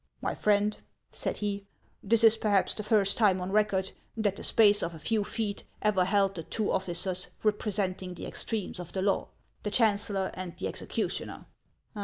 ' My friend,' said he, ' this is perhaps the first time on record, that the space of a few feet ever held the two officers representing the ex tremes of the law, — the chancellor and the executioner